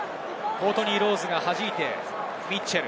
コートニー・ロウズが弾いてミッチェル。